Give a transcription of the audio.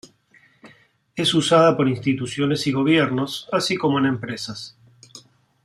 Es usada por instituciones y gobiernos, así como en empresas.